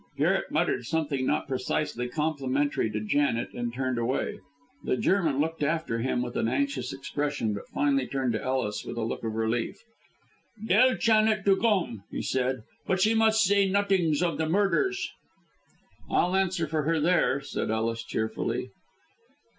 Garret muttered something not precisely complimentary to Janet, and turned away. The German looked after him with an anxious expression; but finally turned to Ellis with a look of relief. "Dell Chanet to gome," he said, "but she must zay notings of the murders." "I'll answer for her there," said Ellis, cheerfully.